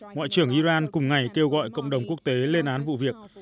ngoại trưởng iran cùng ngày kêu gọi cộng đồng quốc tế lên án vụ việc